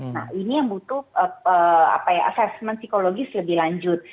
nah ini yang butuh assessment psikologis lebih lanjut